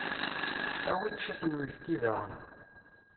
Awi-d ciṭ n uyefki daɣen.